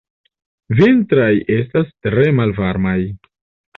Vintraj estas tre malvarmaj.